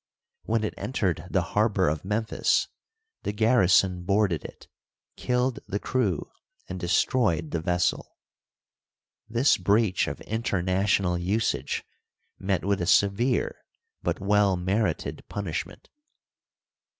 When it en tered the harbor of Memphis the garrison bo2U ded it, killed the crew, and destroyed the vessel. This breach of international usage met with a severe but well merited punishment.